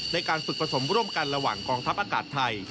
ในการฝึกผสมร่วมกันระหว่างกองทัพอากาศไทย